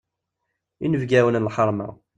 Inebgawen n lḥeṛma.